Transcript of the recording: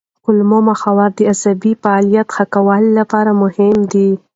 کولمو محور د عصبي فعالیت ښه کولو لپاره مهم دی.